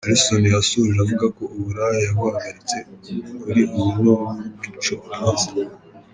Alison yasoje avuga ko uburaya yabuhagaritse, kuri ubu ni uw'imico myiza.